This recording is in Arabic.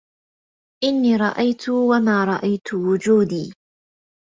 إني رأيت وما رأيت وجودي